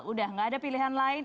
udah gak ada pilihan lain